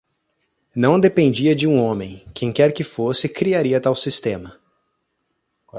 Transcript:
Não dependia de um homem, quem quer que fosse, criaria tal sistema.